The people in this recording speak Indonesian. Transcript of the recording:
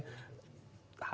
terima kasih pak